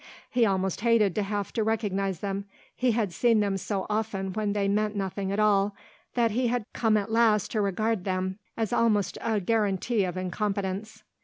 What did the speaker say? He almost hated to have to recognise them; he had seen them so often when they meant nothing at all that he had come at last to regard them as almost a guarantee of incompetence.